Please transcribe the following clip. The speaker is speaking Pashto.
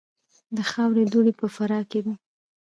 د خاورو دوړې په فراه کې دي